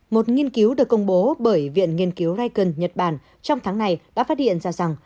một nghiên cứu được công bố bởi viện nghiên cứu rykon nhật bản trong tháng này đã phát hiện ra rằng